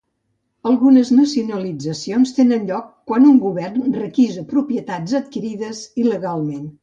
Algunes nacionalitzacions tenen lloc quan un govern requisa propietats adquirides il·legalment.